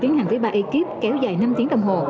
tiến hành với ba ekip kéo dài năm tiếng đồng hồ